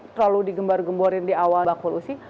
terlalu digembar gemborin di awal bakul usi